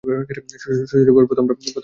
শ্বশুরের উপরে প্রথমটা রাগ হইল।